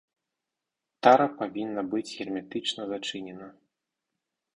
Тара павінна быць герметычна зачынена.